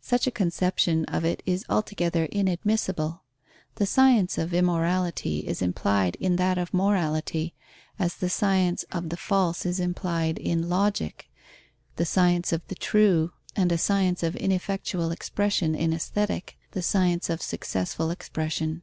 Such a conception of it is altogether inadmissible: the science of immorality is implied in that of morality, as the science of the false is implied in Logic, the science of the true, and a science of ineffectual expression in Aesthetic, the science of successful expression.